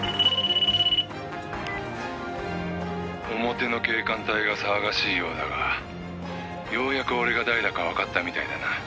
「表の警官隊が騒がしいようだがようやく俺が誰だかわかったみたいだな」